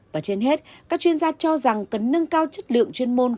và trên hết các chuyên gia cho rằng cần nâng cao chất lượng chuyên môn